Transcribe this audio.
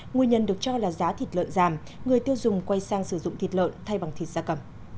nguyên nhân được cho là giá thịt lợn giảm người tiêu dùng quay sang sử dụng thịt lợn thay bằng thịt da cầm